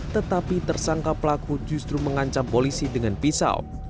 tetapi tersangka pelaku justru mengancam polisi dengan pisau